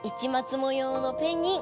もようのペンギン。